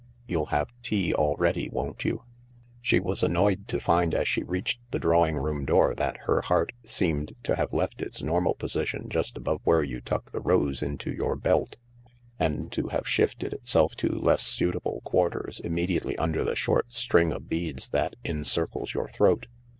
" You'll have tea all ready, won't you ?" She was annoyed to find, as she reached the drawing room door, that her heart seemed to have left its normal position just above where you tuck the rose into your belt, THE LARK 211 and to have shifted itself to less suitable quarters immediately under the short string of beads that encircles your throat.